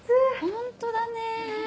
ホントだね。